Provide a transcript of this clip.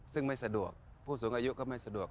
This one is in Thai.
ซึ่งไม่สะดวกผู้สูงอายุก็ไม่สะดวก